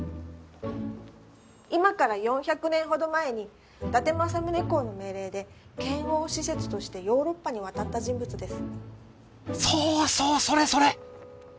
今から４００年ほど前に伊達政宗公の命令で遣欧使節としてヨーロッパに渡った人物です。